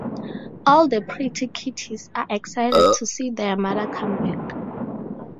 All the pretty kitties are excited to see their mother come back.